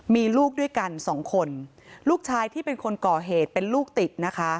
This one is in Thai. มีลูกด้วยกันสองคนลูกชายที่เป็นคนก่อเหตุเป็นลูกติดนะคะ